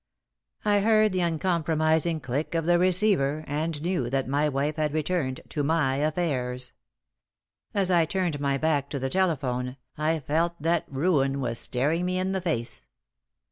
I heard the uncompromising click of the receiver, and knew that my wife had returned to my affairs. As I turned my back to the telephone, I felt that ruin was staring me in the face.